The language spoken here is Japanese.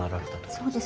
そうです。